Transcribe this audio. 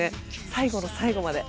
最後の最後まで。